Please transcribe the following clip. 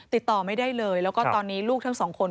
ติดต่อไม่ได้เลยแล้วก็ตอนนี้ลูกทั้งสองคน